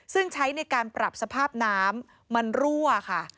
ซึ่งใช้ในการปรับสภาพน้ำมันรั่วค่ะ